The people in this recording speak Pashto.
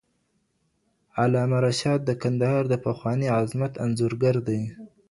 علامه رشاد د کندهار د پخواني عظمت انځورګر دی.